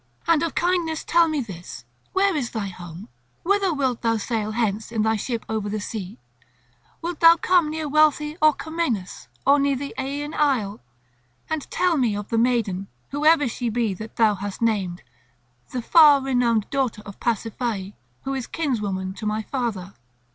And of thy kindness tell me this, where is thy home, whither wilt thou sail hence in thy ship over the sea; wilt thou come near wealthy Orchomenus, or near the Aeaean isle? And tell me of the maiden, whosoever she be that thou hast named, the far renowned daughter of Pasiphae, who is kinswoman to my father."